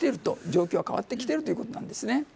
状況が変わってきてるということなんです。